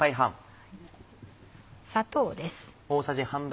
砂糖です。